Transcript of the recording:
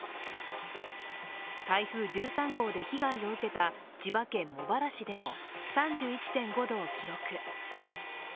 台風１３号で被害を受けた千葉県茂原市でも３１．５度を記録。